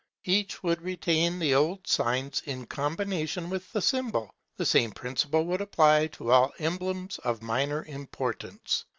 Each would retain the old signs in combination with the common symbol. The same principle would apply to all emblems of minor importance.